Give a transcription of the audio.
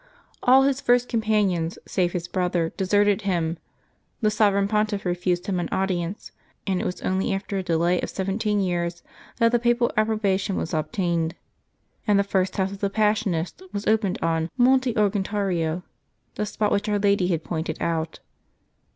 All his first companions, save his brother, deserted him; the Sovereign Pontiff refused him an audience ; and it was only after a delay of seventeen years that the Papal appro bation was obtained, and the first house of the Passionists was opened on Monte Argentario, the spot which Our Lady had pointed out.